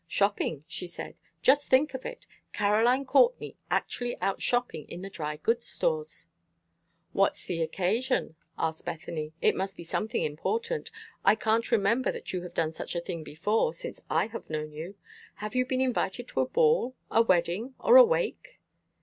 "Shopping," she said. "Just think of it! Caroline Courtney actually out shopping in the dry goods stores." "What's the occasion?" asked Bethany. "It must be something important. I can't remember that you have done such a thing before since I have known you. Have you been invited to a ball, a wedding, or a wake?"